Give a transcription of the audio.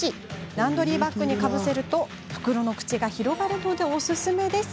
ランドリーバッグにかぶせると袋の口が広がるのでおすすめです。